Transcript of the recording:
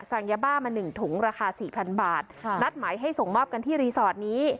สั่งยาบ้ามาหนึ่งถุงราคาสี่พันบาทนัดหมายให้ส่งมอบกันที่รีสอร์ทนี้